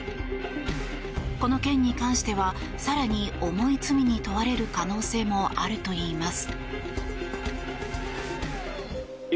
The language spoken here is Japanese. この件に関しては更に重い罪に問われる可能性もあるといいます。